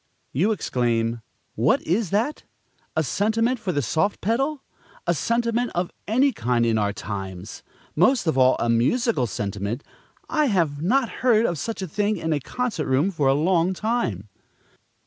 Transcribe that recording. You exclaim: "What is that? a sentiment for the soft pedal! a sentiment of any kind in our times! most of all, a musical sentiment! I have not heard of such a thing in a concert room for a long time!"